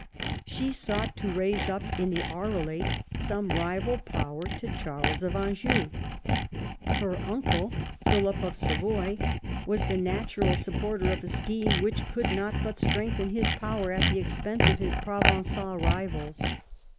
She sought to raise up in the Arelate some rival power to Charles of Anjou. Her uncle, Philip of Savoy, was the natural supporter of a scheme Avhich could not but strengthen his power at the expense of his Provencal rivals.